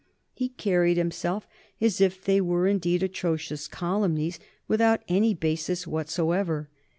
He carried himself as if they were indeed atrocious calumnies without any basis whatsoever.